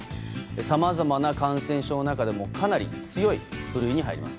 さまざまな感染症の中でもかなり強い部類に入ります。